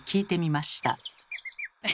え？